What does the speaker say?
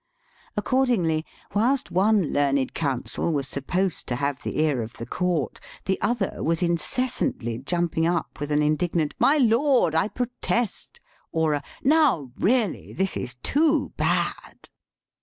Accordingly, whilst one learned counsel was supposed to have the ear of the court, the other was incessantly jumping up with an indignant, " My lord, I protest," or a *^Now, really this is too bad."